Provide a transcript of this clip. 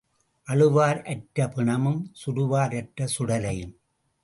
அழுவார் அற்ற பிணமும் சுடுவார் அற்ற சுடலையும்.